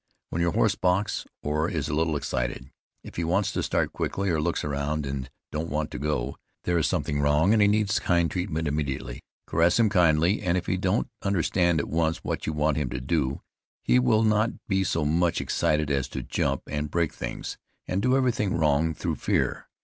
When your horse balks, or is a little excited, if he wants to start quickly, or looks around and don't want to go, there is something wrong, and needs kind he treatment immediately. Caress him kindly, and if he don't understand at once what you want him to do he will not be so much excited as to jump and break things, and do everything wrong through fear.